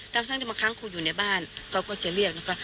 น้ำท่านจะมาค้างครูอยู่ในบ้านเขาก็จะเรียกนะครับ